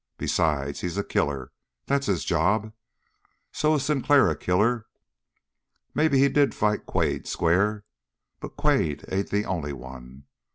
Besides, he's a killer. That's his job. So is Sinclair a killer. Maybe he did fight Quade square, but Quade ain't the only one.